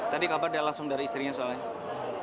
tadi kabar dia langsung dari istrinya soalnya